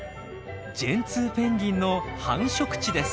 ジェンツーペンギンの繁殖地です。